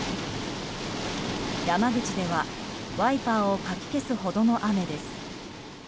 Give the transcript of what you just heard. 山口ではワイパーをかき消すほどの雨です。